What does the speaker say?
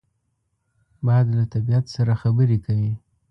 باد له طبیعت سره خبرې کوي